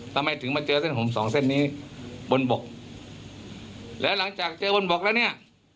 ทำไมถึงมาเจอเส้นผมสองเส้นนี้บนบกแล้วหลังจากเจอบนบกแล้วเนี่ย